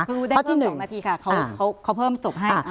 คือได้ที่๑นาทีค่ะเขาเพิ่มจบให้